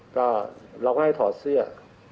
ก็เราก็ให้ถอดเสื้อ